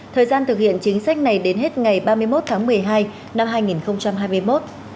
thời gian thực hiện chính sách này đến hết ngày ba mươi một tháng một mươi hai năm hai nghìn hai mươi một